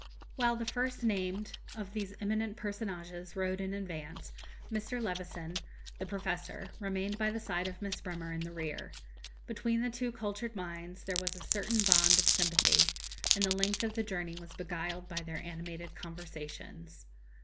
While the first named of these eminent personages rode in advance, Mr. Levison, the professor, remained by the side of Miss Bremer in the rear. Between the two cultured minds there was a certain bond of sympathy, and the length of the journey was beguiled by their animated conversations.